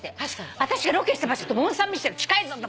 私がロケした場所とモンサンミッシェル近いぞと。